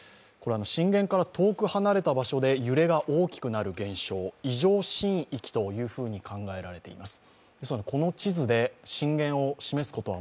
震源から遠く離れた場所で揺れが大きくなる現象異常震域というふうに考えられています。